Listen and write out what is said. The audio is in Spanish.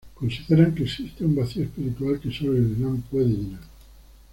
Consideran que existe un vacío espiritual que solo el Islam puede llenar.